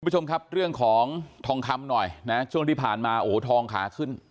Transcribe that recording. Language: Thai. คุณผู้ชมครับเรื่องของทองคำหน่อยนะช่วงที่ผ่านมาโอ้โหทองขาขึ้น